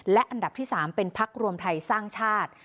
และอันดับที่๓เป็นพักรวมไทยสร้างชาติ